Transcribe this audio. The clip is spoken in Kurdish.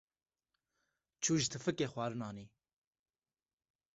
Çû ji tifikê xwarin anî.